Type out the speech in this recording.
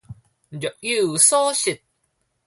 若有所失